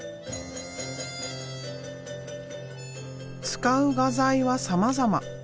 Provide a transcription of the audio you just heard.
使う画材はさまざま。